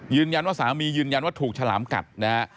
ยืนยันว่าสามียืนยันว่าถูกฉลามกัดนะฮะ